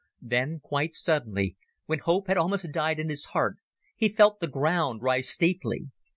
Then, quite suddenly, when hope had almost died in his heart, he felt the ground rise steeply.